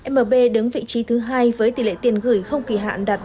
mb đứng vị trí thứ hai với tỷ lệ tiền gửi không kỳ hạn đạt ba mươi sáu một